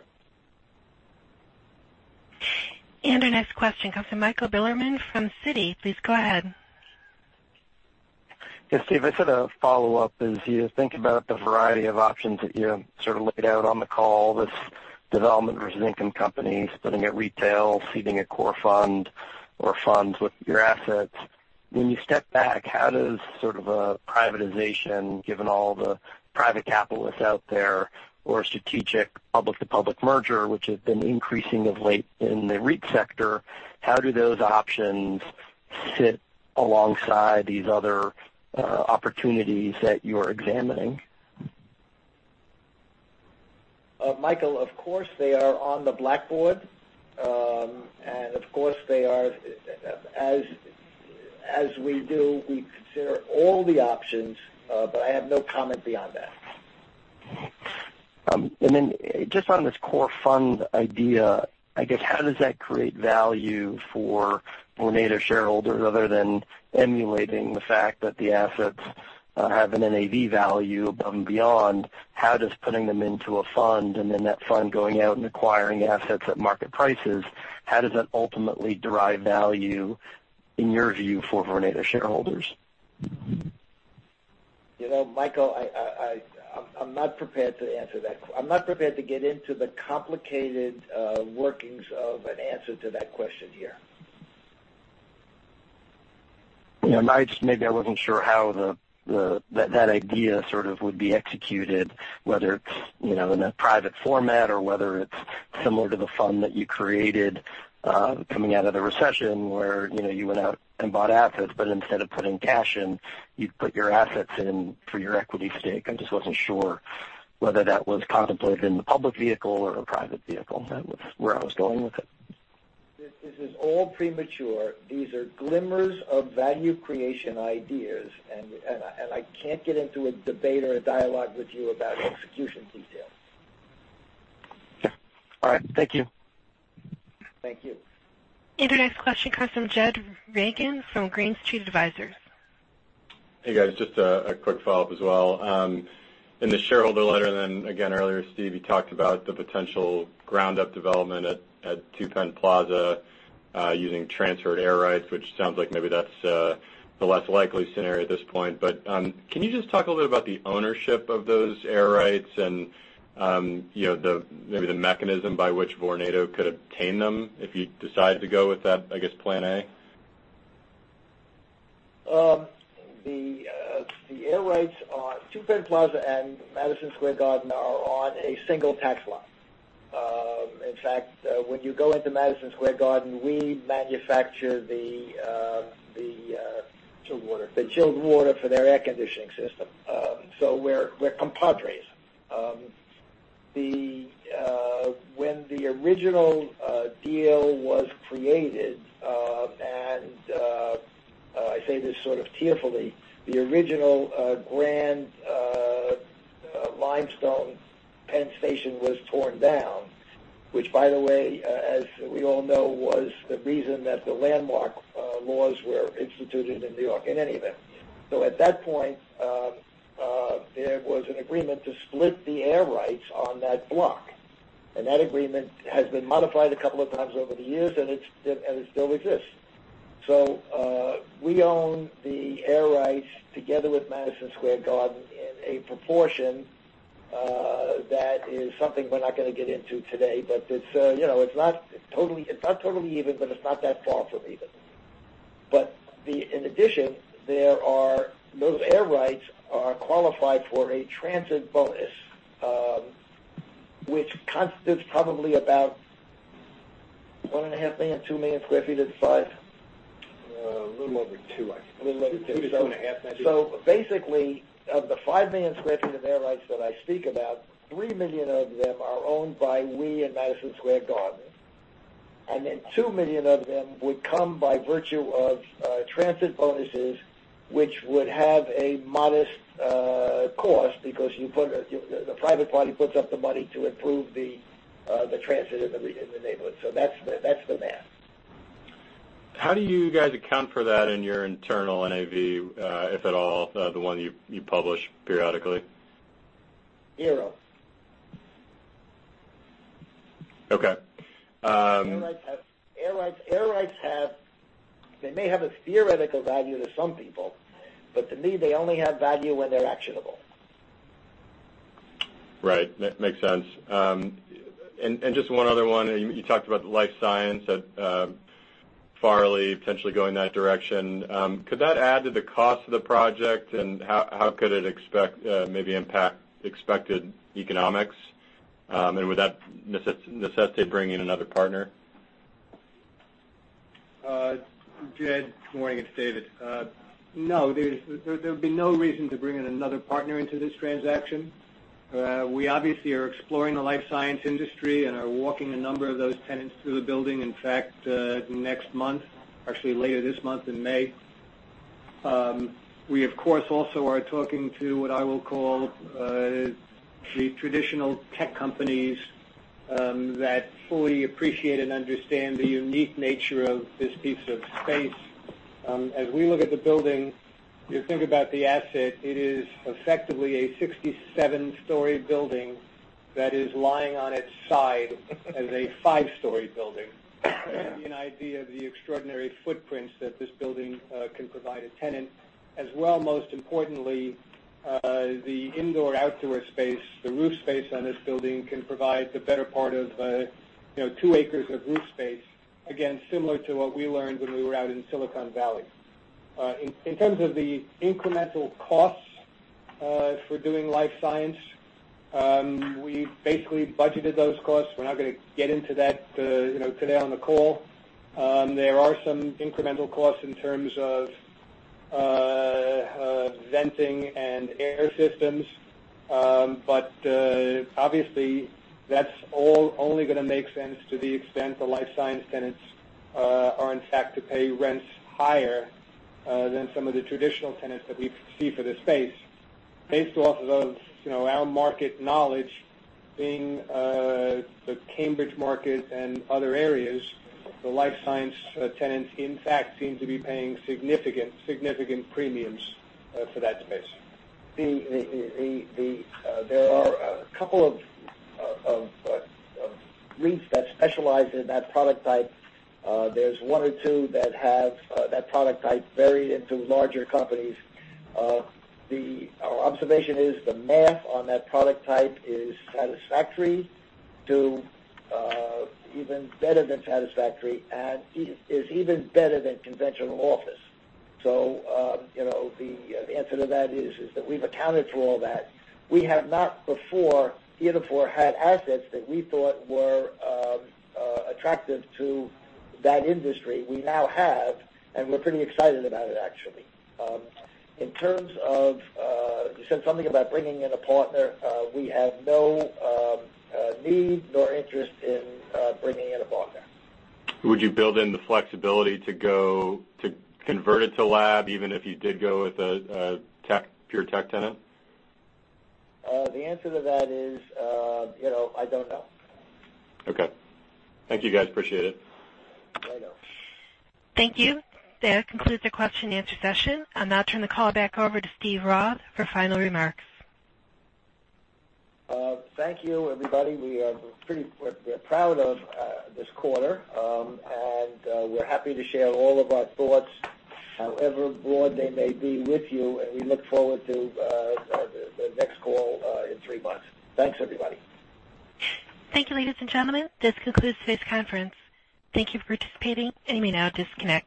Our next question comes from Michael Bilerman from Citi. Please go ahead. Yes, Steve, I just had a follow-up. As you think about the variety of options that you sort of laid out on the call, this development versus income company, spinning a retail, seeding a core fund or funds with your assets. When you step back, how does sort of a privatization, given all the private capitalists out there, or a strategic public-to-public merger, which has been increasing of late in the REIT sector, how do those options sit alongside these other opportunities that you're examining? Michael, of course, they are on the blackboard. Of course, as we do, we consider all the options, but I have no comment beyond that. Just on this core fund idea, I guess, how does that create value for Vornado shareholders other than emulating the fact that the assets have an NAV value above and beyond, how does putting them into a fund and then that fund going out and acquiring assets at market prices, how does that ultimately derive value, in your view, for Vornado shareholders? Michael, I'm not prepared to get into the complicated workings of an answer to that question here. I wasn't sure how that idea sort of would be executed, whether it's in a private format or whether it's similar to the fund that you created coming out of the recession where you went out and bought assets, but instead of putting cash in, you put your assets in for your equity stake. I just wasn't sure whether that was contemplated in the public vehicle or a private vehicle. That was where I was going with it. This is all premature. These are glimmers of value creation ideas. I can't get into a debate or a dialogue with you about execution details. Sure. All right. Thank you. Thank you. Your next question comes from Jed Reagan from Green Street Advisors. Hey, guys. Just a quick follow-up as well. In the shareholder letter, earlier, Steve, you talked about the potential ground-up development at Two Penn Plaza using transferred air rights, which sounds like maybe that's the less likely scenario at this point. Can you just talk a little about the ownership of those air rights and maybe the mechanism by which Vornado could obtain them if you decide to go with that, I guess, plan A? The air rights on Two Penn Plaza and Madison Square Garden are on a single tax lot. In fact, when you go into Madison Square Garden, we manufacture. Chilled water We're compadres. When the original deal was created, and I say this sort of tearfully, the original grand limestone Penn Station was torn down, which by the way, as we all know, was the reason that the landmark laws were instituted in New York. In any event. At that point, there was an agreement to split the air rights on that block, and that agreement has been modified a couple of times over the years, and it still exists. We own the air rights together with Madison Square Garden in a proportion that is something we're not going to get into today. It's not totally even, but it's not that far from even. In addition, those air rights are qualified for a transit bonus, which constitutes probably about one and a half million, 2 million square feet of the five? A little over two, I think. A little over two. Two and a half maybe. Basically, of the 5 million square feet of air rights that I speak about, 3 million of them are owned by we and Madison Square Garden, and then 2 million of them would come by virtue of transit bonuses, which would have a modest cost because the private party puts up the money to improve the transit in the region, the neighborhood. That's the math. How do you guys account for that in your internal NAV, if at all, the one you publish periodically? Zero. Okay. They may have a theoretical value to some people, but to me, they only have value when they're actionable. Right. Makes sense. Just one other one. You talked about the life science at Farley potentially going that direction. Could that add to the cost of the project, and how could it maybe impact expected economics? Would that necessitate bringing another partner? Jed, morning. It's David. No, there would be no reason to bring in another partner into this transaction. We obviously are exploring the life science industry and are walking a number of those tenants through the building. In fact, next month, actually later this month in May. We, of course, also are talking to what I will call the traditional tech companies that fully appreciate and understand the unique nature of this piece of space. As we look at the building, you think about the asset, it is effectively a 67-story building that is lying on its side as a five-story building. To give you an idea of the extraordinary footprints that this building can provide a tenant. As well, most importantly, the indoor-outdoor space, the roof space on this building can provide the better part of two acres of roof space. Again, similar to what we learned when we were out in Silicon Valley. In terms of the incremental costs for doing life science, we basically budgeted those costs. We're not going to get into that today on the call. There are some incremental costs in terms of venting and air systems. Obviously that's only going to make sense to the extent the life science tenants are in fact to pay rents higher than some of the traditional tenants that we foresee for the space. Based off of our market knowledge in the Cambridge market and other areas, the life science tenants, in fact, seem to be paying significant premiums for that space. There are a couple of REITs that specialize in that product type. There's one or two that have that product type buried into larger companies. Our observation is the math on that product type is satisfactory to even better than satisfactory, and is even better than conventional office. The answer to that is that we've accounted for all that. We have not before, heretofore, had assets that we thought were attractive to that industry. We now have, and we're pretty excited about it, actually. In terms of, you said something about bringing in a partner. We have no need nor interest in bringing in a partner. Would you build in the flexibility to convert it to lab, even if you did go with a pure tech tenant? The answer to that is, I don't know. Okay. Thank you guys, appreciate it. Later. Thank you. That concludes the question and answer session. I'll now turn the call back over to Steven Roth for final remarks. Thank you, everybody. We're proud of this quarter. We're happy to share all of our thoughts, however broad they may be, with you, and we look forward to the next call in three months. Thanks, everybody. Thank you, ladies and gentlemen. This concludes today's conference. Thank you for participating. You may now disconnect.